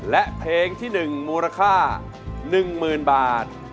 และเพลงที่๑มูลค่า๑๐๐๐บาท